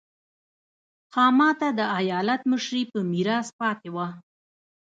خاما ته د ایالت مشري په میراث پاتې وه.